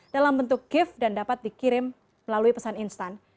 dalam bentuk kiev dan dapat dikirim melalui pesan instan